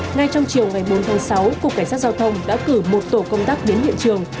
ngay trong chiều ngày bốn tháng sáu cục cảnh sát giao thông đã cử một tổ công tác đến hiện trường